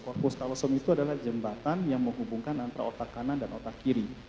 corpus calosom itu adalah jembatan yang menghubungkan antara otak kanan dan otak kiri